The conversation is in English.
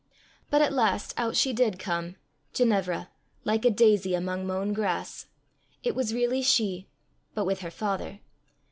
But at last out she did come Ginevra, like a daisy among mown grass! It was really she! but with her father.